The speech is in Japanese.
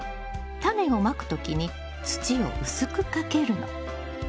タネをまく時に土を薄くかけるの。